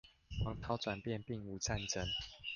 王朝轉變並無戰爭